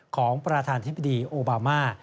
ของประธานที่พิธีโอบามา